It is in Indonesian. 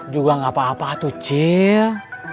juga gak apa apa tuh cil